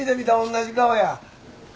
同じ顔や。